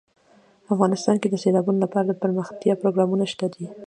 افغانستان کې د سیلابونو لپاره دپرمختیا پروګرامونه شته دي.